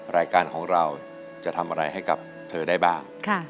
รายการของเราจะทำอะไรให้กับเธอได้บ้าง